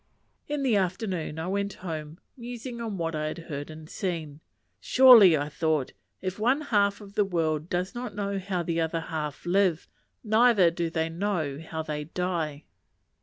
In the afternoon I went home musing on what I had heard and seen. "Surely," thought I, "if one half of the world does not know how the other half live, neither do they know how they die."